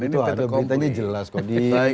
itu ada berita jelas kok di media itu